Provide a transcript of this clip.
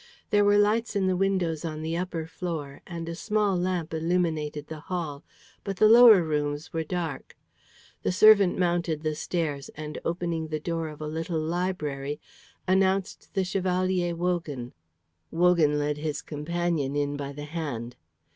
There were lights in the windows on the upper floor, and a small lamp illuminated the hall. But the lower rooms were dark. The servant mounted the stairs, and opening the door of a little library, announced the Chevalier Wogan. Wogan led his companion in by the hand.